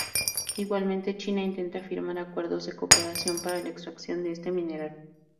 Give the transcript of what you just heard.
Igualmente, China intenta firmar acuerdos de cooperación para la extracción de este mineral.